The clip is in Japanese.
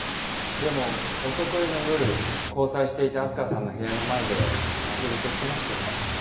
でもおとといの夜交際していた明日香さんの部屋の前で待ち伏せしてましたよね？